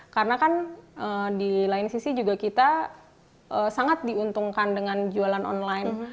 karena kan di lain sisi juga kita sangat diuntungkan dengan jualan online